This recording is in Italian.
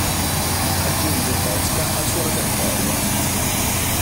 Aggiunge "Tosca" al suo repertorio.